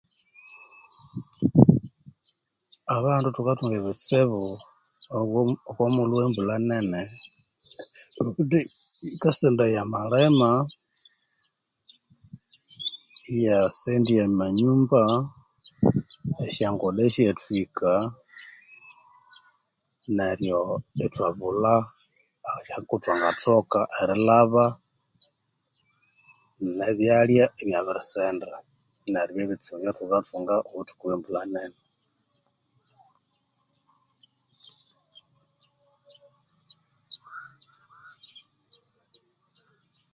Abandu thukathunga ebitsibu obomu omomughulhu we mbulha nene kundi yikasendaya amalima iyasendya amanyumba esyanguda syathwika neryo ithwabulha aha kuthwangathoka erilhaba ne byalya ibyabirisenda neryu bye bitsibu ebya thukathunga obuthuku bwe mbulha nene